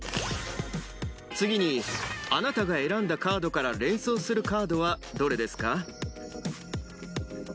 次にあなたが選んだカードから連想するカードはどれですか。